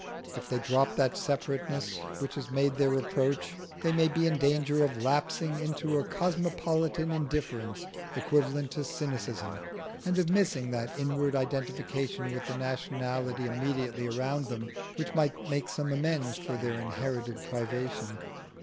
If they drop that separateness which is made their reproach, they may be in danger of lapsing into a cosmopolitan indifference equivalent to cynicism, and of missing that inward identification with the nationality immediately around them which might make some amends for their inherited privation.